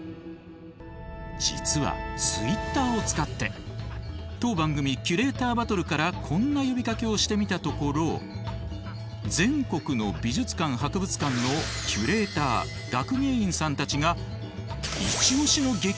実はツイッターを使って当番組「キュレーターバトル！！」からこんな呼びかけをしてみたところ全国の美術館・博物館のキュレーター学芸員さんたちがイチオシの激